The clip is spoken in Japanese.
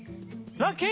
ラッキー！